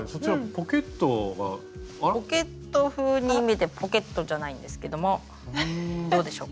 ポケット風に見えてポケットじゃないんですけどもどうでしょう？